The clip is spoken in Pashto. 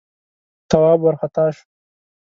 تواب وارخطا شو: